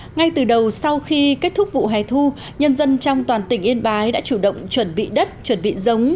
ngay từ đầu sau khi kết thúc vụ hè thu nhân dân trong toàn tỉnh yên bái đã chủ động chuẩn bị đất chuẩn bị giống